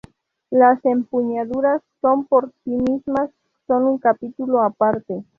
Las empuñaduras son por sí mismas son un capítulo aparte.